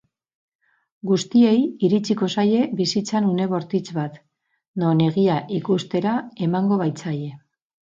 Guztiei iritsiko zaie bizitzan une bortitz bat, non egia ikustera emango baitzaie.